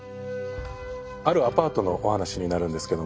あるアパートのお話になるんですけども。